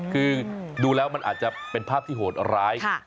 คือดูแล้วมันอาจจะเป็นภาพที่โหดร้าย